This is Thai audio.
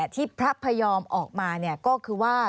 ที่พระพยอมออกมาก็คือว่า